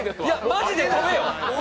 マジで飛べよ！